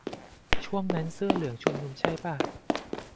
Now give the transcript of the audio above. ช่วงนั้นเสื้อเหลืองชุมนุมใช่ป่ะ